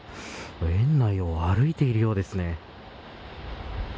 園内を歩いているようですね。